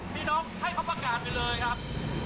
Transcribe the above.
พี่น้องให้เขาประกาศไปเลยครับ